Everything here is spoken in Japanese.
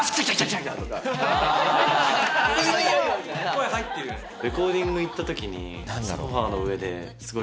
声入ってるよね。